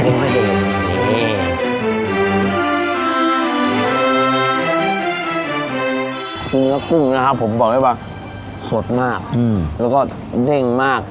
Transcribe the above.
เนื้อกุ้งนะครับผมบอกได้ป่ะสดมากอืมแล้วก็เต้นเต้นมาก